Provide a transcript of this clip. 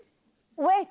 ウェイト！